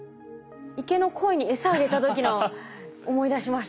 池のコイにエサあげた時の思い出しました。